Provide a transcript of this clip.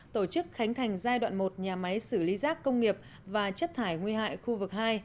tổ chức khánh thành giai đoạn một nhà máy xử lý rác công nghiệp và chất thải nguy hại khu vực hai